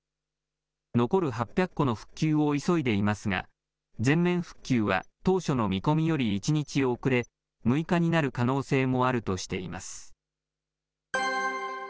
残る８００戸の復旧を急いでいますが、全面復旧は当初の見込みより１日遅れ、６日になる可能性もあるとしています。